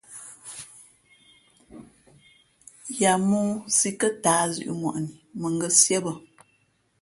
Ya mōō sǐ kάtǎh zʉ̄ʼŋwαʼni mα ngα̌ síé bᾱ.